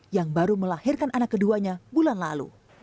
yang baru melahirkan anak keduanya bulan lalu